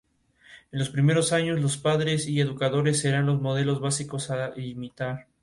Las localizaciones más habituales son: esófago, estómago, duodeno, íleon y via biliar.